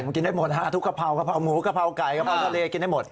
กินได้หมดฮะทุกกะเพรากะเพราหมูกะเพราไก่กะเพราทะเลกินได้หมด